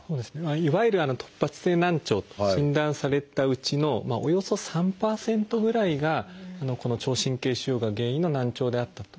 いわゆる突発性難聴と診断されたうちのおよそ３％ぐらいがこの聴神経腫瘍が原因の難聴であったと。